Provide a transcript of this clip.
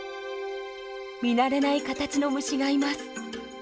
見慣れない形の虫がいます。